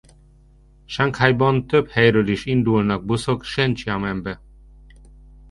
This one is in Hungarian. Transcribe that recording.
Sanghajban több helyről is indulnak buszok Sen-csianmen-be.